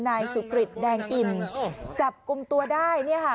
นายสุกฤษแดงอิ่มจับกลุ่มตัวได้เนี่ยค่ะ